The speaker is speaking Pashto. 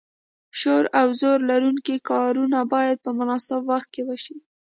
شور او زور لرونکي کارونه باید په مناسب وخت کې وشي.